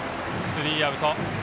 スリーアウト。